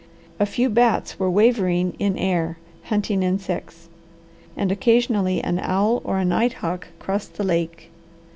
A few bats were wavering in air hunting insects, and occasionally an owl or a nighthawk crossed the lake.